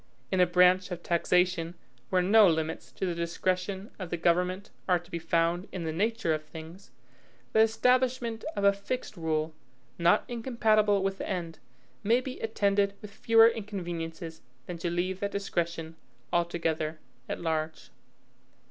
In a branch of taxation where no limits to the discretion of the government are to be found in the nature of things, the establishment of a fixed rule, not incompatible with the end, may be attended with fewer inconveniences than to leave that discretion altogether at large.